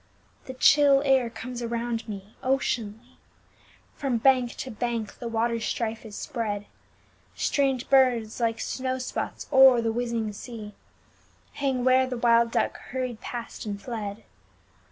The chill air comes around me oceanly, From bank to bank the waterstrife is spread; Strange birds like snowspots oer the whizzing sea Hang where the wild duck hurried past and fled.